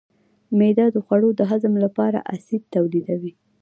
معده د خوړو د هضم لپاره اسید تولیدوي.